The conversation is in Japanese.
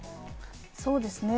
そうですね。